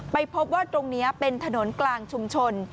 พบว่าตรงนี้เป็นถนนกลางชุมชน